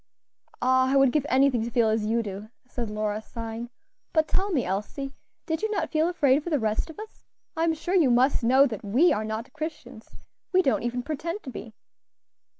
"Ah! I would give anything to feel as you do," said Lora, sighing. "But tell me, Elsie, did you not feel afraid for the rest of us? I'm sure you must know that we are not Christians; we don't even pretend to be."